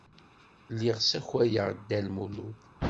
Lliɣ ssakayeɣ-d Dda Lmulud.